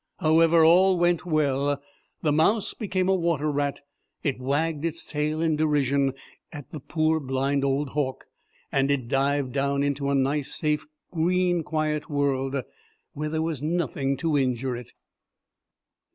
However, all went well; the mouse became a water rat, it wagged its tail in derision at the poor blind old hawk, and it dived down into a nice safe green, quiet world where there was nothing to injure it.